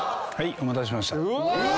お待たせしました。